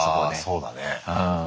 そうだね。